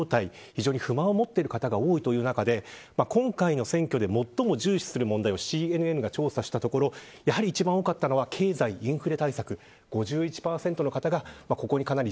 非常に不満を持っている人が多い中で今回の選挙で最も重視する問題をＣＮＮが調査したところ一番多かったのは経済・インフレ対策でした。